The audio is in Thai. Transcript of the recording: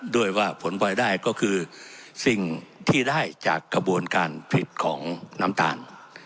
ด้วยว่าผลพลอยได้ก็คือสิ่งที่ได้จากกระบวนการผิดของน้ำตาล